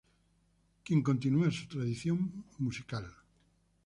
Quien continúa su tradición musicales.